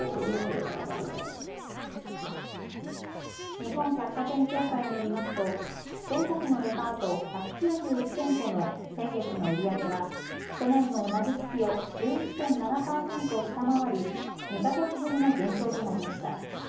日本百貨店協会によりますと全国のデパート１９１店舗の先月の売り上げは去年の同じ月を１１．７％下回り２か月ぶりの減少となりました。